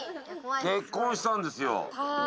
結婚したんですよああ